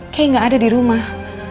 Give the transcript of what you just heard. kayak gak ada di rumah